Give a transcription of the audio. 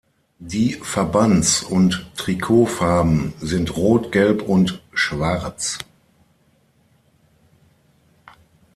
Die Verbands- und Trikotfarben sind rot, gelb und schwarz.